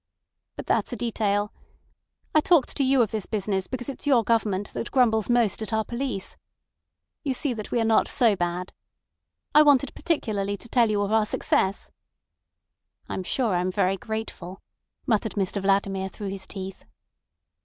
"But that's a detail. I talked to you of this business because it's your government that grumbles most at our police. You see that we are not so bad. I wanted particularly to tell you of our success." "I'm sure I'm very grateful," muttered Mr Vladimir through his teeth.